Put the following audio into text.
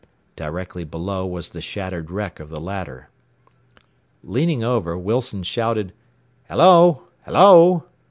Directly below was the shattered wreck of the ladder. Leaning over, Wilson shouted, "Hello! Hello!"